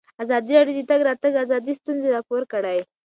ازادي راډیو د د تګ راتګ ازادي ستونزې راپور کړي.